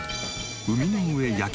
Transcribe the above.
「海の上」